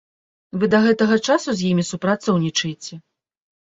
Вы да гэтага часу з імі супрацоўнічаеце?